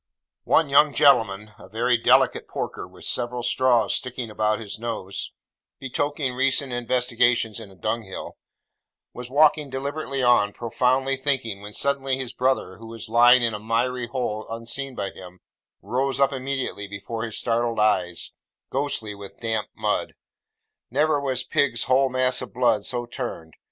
One young gentleman (a very delicate porker with several straws sticking about his nose, betokening recent investigations in a dung hill) was walking deliberately on, profoundly thinking, when suddenly his brother, who was lying in a miry hole unseen by him, rose up immediately before his startled eyes, ghostly with damp mud. Never was pig's whole mass of blood so turned.